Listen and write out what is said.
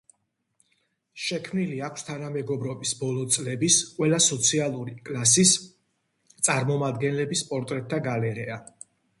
შექმნილი აქვს თანამეგობრობის ბოლო წლების ყველა სოციალური კლასის წარმომადგენლების პორტრეტთა გალერეა.